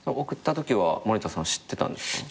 送ったときは森田さん知ってたんですか？